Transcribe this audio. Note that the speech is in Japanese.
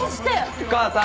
お母さん！